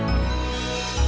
ada yang seperti meniangkan